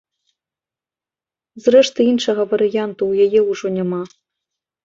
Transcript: Зрэшты, іншага варыянту ў яе ўжо няма.